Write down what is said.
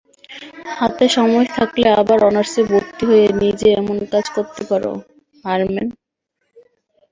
হাতে সময় থাকলে আবার অনার্সে ভর্তি হয়ে নিজেই এমন কাজ করতে পারো, হারম্যান।